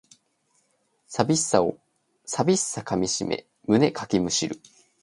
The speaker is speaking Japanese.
寂しさかみしめ胸かきむしる